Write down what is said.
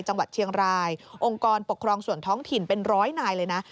จังหวัดเชียงรายองค์กรปกครองส่วนท้องถิ่นเป็นร้อยนายเลยนะ